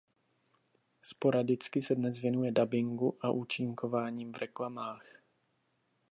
Sporadicky se dnes věnuje dabingu a účinkováním v reklamách.